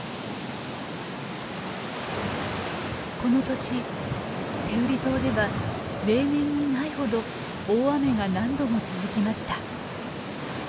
この年天売島では例年にないほど大雨が何度も続きました。